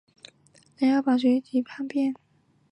梁耀宝随即叛变。